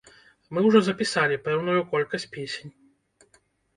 Мы ўжо запісалі пэўную колькасць песень.